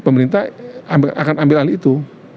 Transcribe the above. pemerintah akan ambil alih itu